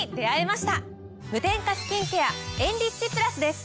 無添加スキンケアエンリッチプラスです。